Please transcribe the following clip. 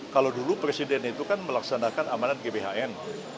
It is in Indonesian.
kalau dulu presiden itu kan melaksanakan amanat gbhn